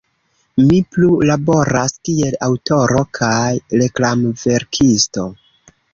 Mi plu laboras kiel aŭtoro kaj reklamverkisto.